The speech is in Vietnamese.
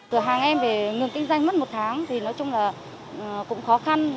cửa hàng em về ngừng kinh doanh mất một tháng thì nói chung là cũng khó khăn